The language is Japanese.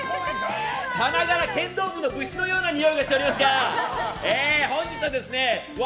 さながら剣道部の部室のようなにおいがしておりますが本日は笑